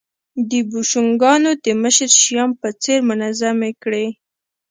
د بوشونګانو د مشر شیام په څېر منظمې کړې